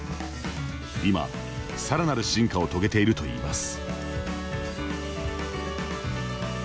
今、さらなる進化を遂げているといいます。